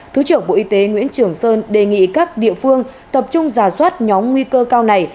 thứ trưởng bộ y tế nguyễn trường sơn đề nghị các địa phương tập trung giả soát nhóm nguy cơ cao này